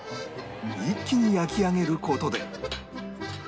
一気に焼き上げる事で